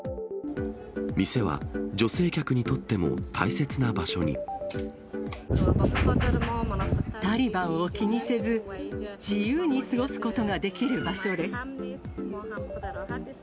店は女性客にとっても大切なタリバンを気にせず、自由に過ごすことができる場所です。